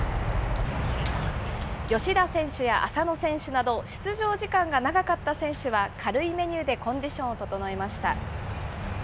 吉田選手や浅野選手など、出場時間が長かった選手は、軽いメニューでコンディションを整えました。